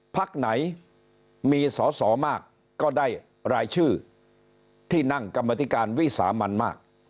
พักไหนมีสอสอมากก็ได้รายชื่อที่นั่งกรรมธิการวิสามันมาก